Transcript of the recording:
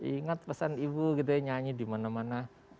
ingat pesan ibu gitu ya nyanyi di mana mana